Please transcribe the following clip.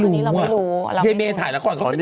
เล่นอีกเรื่องได้ไหมคะคุณแม่